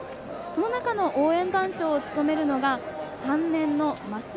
その中の応援団長を務めるのが３年の、ます